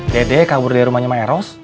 dede kabur dari rumahnya emak eros